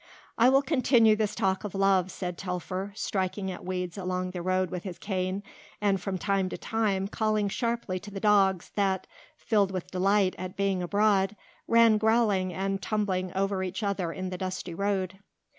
"I will continue this talk of love," said Telfer, striking at weeds along the road with his cane and from time to time calling sharply to the dogs that, filled with delight at being abroad, ran growling and tumbling over each other in the dusty road.